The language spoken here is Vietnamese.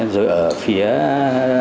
rồi ở phía việt nam